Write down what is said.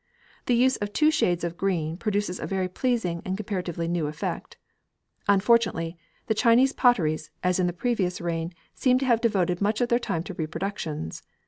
The use of two shades of green produces a very pleasing and comparatively new effect. Unfortunately, the Chinese potteries, as in the previous reign, seemed to have devoted much of their time to reproductions.